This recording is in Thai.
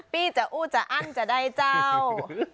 ปี้จะอู้จะอั้นจะได้เจ้า